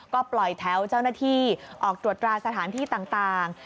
ก็ปล่อยแถวเจ้าหน้าที่ออกตรวจตราสถานที่ต่าง